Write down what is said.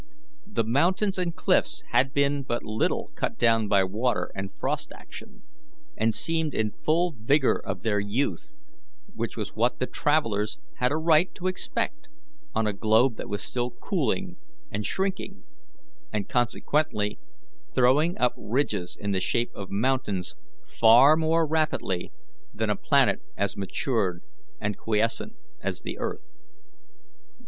The mountains and cliffs had been but little cut down by water and frost action, and seemed in the full vigour of their youth, which was what the travellers had a right to expect on a globe that was still cooling and shrinking, and consequently throwing up ridges in the shape of mountains far more rapidly than a planet as matured and quiescent as the earth.